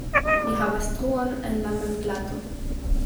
Li havas truon en la manplato.